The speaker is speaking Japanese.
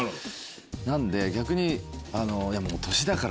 なんで逆に。